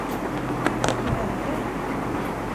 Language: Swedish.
Vad är det?